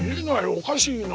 おかしいな。